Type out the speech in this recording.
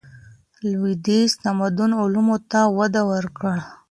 لوېدیځ تمدن علومو ته وده ورکړه.